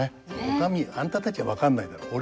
「お上あんたたちは分かんないだろう。